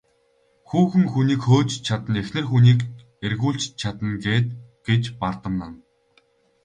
Хүүхэн хүнийг хөөж ч чадна, эхнэр хүнийг эргүүлж ч чадна гээд гэж бардамнана.